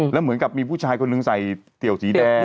แล้วเหมือนกับมีผู้ชายคนหนึ่งใส่เี่ยวสีแดง